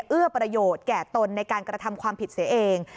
เอื้อประโยชน์แก่ตนในการกระทำความผิดเสียเอง